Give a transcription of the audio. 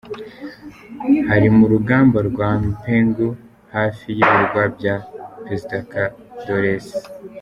Hari mu rugamba rwa Penghu hafi y’ibirwa bya Pescadores.